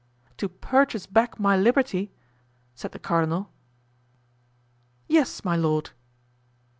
"To purchase back my liberty?" said the cardinal. "Yes, my lord."